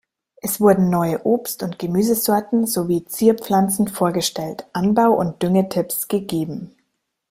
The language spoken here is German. Es wurden neue Obst- und Gemüsesorten sowie Zierpflanzen vorgestellt, Anbau- und Dünge-Tipps gegeben.